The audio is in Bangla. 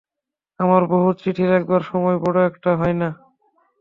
আমার বহুত চিঠি লেখবার সময় বড় একটা হয় না।